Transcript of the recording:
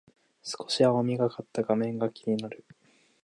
少し青みがかった画面が気になる